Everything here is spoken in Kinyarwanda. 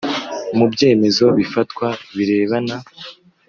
mu byemezo bifatwa birebana